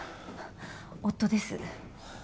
夫です。